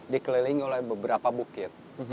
dikelilingi oleh beberapa bukit